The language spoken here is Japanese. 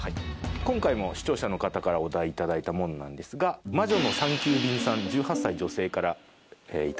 今回も視聴者の方からお題いただいたものなんですが魔女のサンキュー便さん１８歳女性からいただいた。